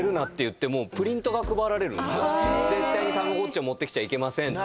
絶対にたまごっちを持ってきちゃいけませんって。